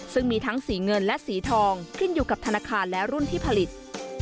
ซึ่งมีทั้งสีเงินและสีทองขึ้นอยู่กับธนาคารและรุ่นที่ผลิต